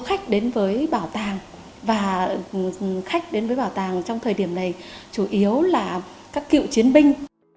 khách đến với bảo tàng và khách đến với bảo tàng trong thời điểm này chủ yếu là các cựu chiến binh